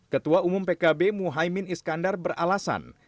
ketua umum pkb muhaymin iskandar beralasan